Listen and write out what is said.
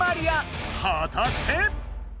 はたして⁉